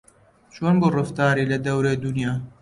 چۆن بوو ڕەفتاری لە دەورەی دونیا